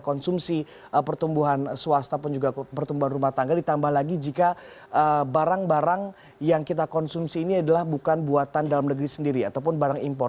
konsumsi pertumbuhan swasta pun juga pertumbuhan rumah tangga ditambah lagi jika barang barang yang kita konsumsi ini adalah bukan buatan dalam negeri sendiri ataupun barang impor